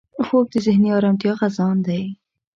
خوب د ذهني ارامتیا خزان دی